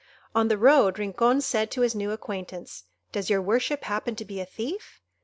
On the road, Rincon said to his new acquaintance, "Does your worship happen to be a Thief?"